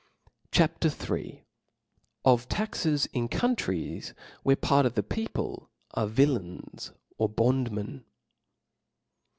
CHAP. III. Of Taxes in Countries tvhere . Part of the People are Vijlains or Bondmen.